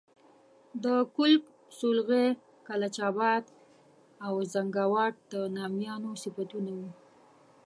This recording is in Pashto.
د کُلک، سولغی، کلچ آباد او زنګاوات د نامیانو صفتونه وو.